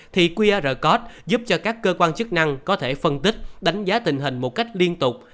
thì qr code giúp cho các cơ quan chức năng có thể phân tích đánh giá tình hình một cách liên tục